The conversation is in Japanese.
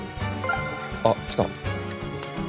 あっ来た。